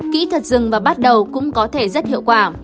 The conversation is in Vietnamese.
kỹ thuật rừng và bắt đầu cũng có thể rất hiệu quả